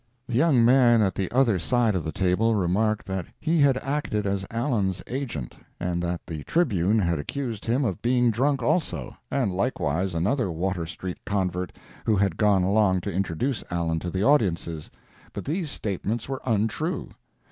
The young man at the other side of the table remarked that he had acted as Allen's agent, and that the Tribune had accused him of being drunk also, and likewise another Water street convert who had gone along to introduce Allen to the audiences, but these statements were untrue.